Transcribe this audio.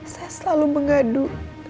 saya selalu mengadu